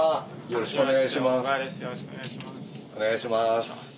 よろしくお願いします。